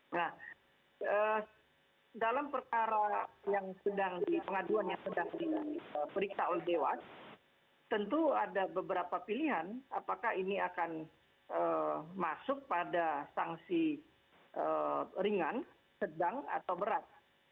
nah dalam perkara yang sedang di pengaduan yang sedang diperiksa oleh dewas tentu ada beberapa pilihan apakah ini akan masuk pada sanksi ringan sedang atau berat